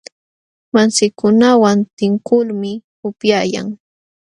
Masinkunawan tinkuqlulmi upyayan.